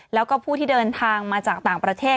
แล้วก็ผู้ที่เดินทางมาจากต่างประเทศ